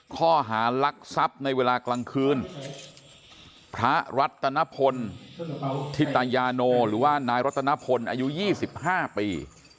ข้อหารักทรัพย์ในเวลากลางคืนพระรัตนพลธิตยาโนหรือว่านายรัตนพลอายุ๒๕ปี